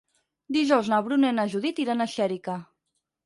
Dijous na Bruna i na Judit iran a Xèrica.